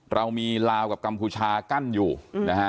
เรามีลาวกับกัมพูชากั้นอยู่นะฮะ